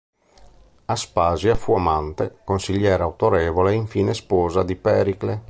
Aspasia fu amante, consigliera autorevole e infine sposa di Pericle.